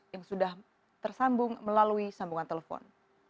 yang sudah tersambung melalui sambungan telepon